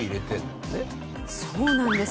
そうなんです。